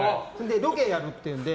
ロケやるっていうんで。